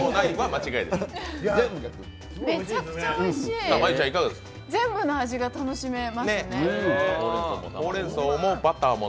めちゃくちゃおいしい全部の味が楽しめますね。